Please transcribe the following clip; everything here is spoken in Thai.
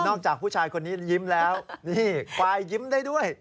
จากผู้ชายคนนี้ยิ้มแล้วนี่ควายยิ้มได้ด้วย